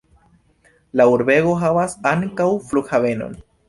La urbego havas ankaŭ flughavenon.